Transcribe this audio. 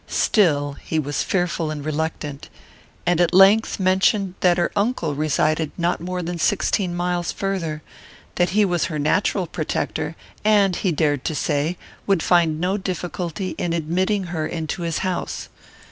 Still he was fearful and reluctant; and, at length, mentioned that her uncle resided not more than sixteen miles farther; that he was her natural protector, and, he dared to say, would find no difficulty in admitting her into his house.